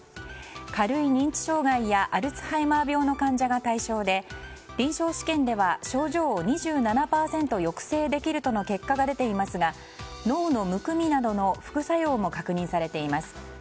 軽い認知障害やアルツハイマー病の患者が対象で臨床試験では症状を２７％抑制できるとの結果が出ていますが脳のむくみなどの副作用も確認されています。